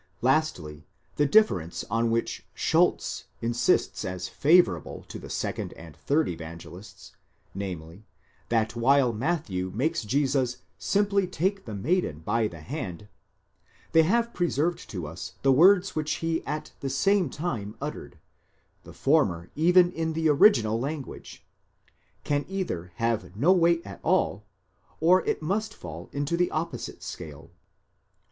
Lastly, the differ ence on which Schulz insists as favourable to the second and third Evangelists, namely, that while Matthew makes Jesus simply take the maiden by the hand, they have preserved to us the words which he at the same time uttered, the former even in the original language ;—can either have no weight at all, or it must fall into the opposite scale.